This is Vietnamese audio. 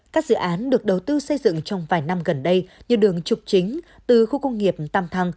các dự án được đầu tư xây dựng trong vài năm gần đây như đường trục chính từ khu công nghiệp tam thăng